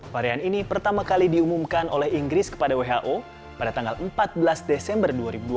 varian ini pertama kali diumumkan oleh inggris kepada who pada tanggal empat belas desember dua ribu dua puluh